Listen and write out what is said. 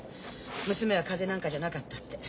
娘は風邪なんかじゃなかったって。